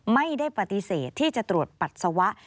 ไม่ได้ปฏิเสธที่จะตรวจปัสสาวะ